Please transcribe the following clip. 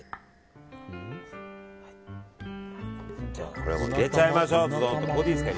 これを入れちゃいましょう。